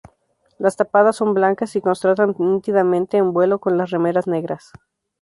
Las tapadas son blancas y contrastan nítidamente en vuelo con las remeras negras.